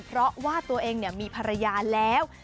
เพราะว่าตัวเองมีภรรยาแล้ว